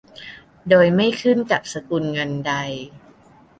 โดยไม่ขึ้นกับสกุลเงินใด